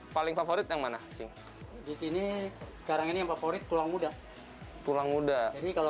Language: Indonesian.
paling favorit yang mana sih disini sekarang ini yang favorit tulang muda tulang muda ini kalau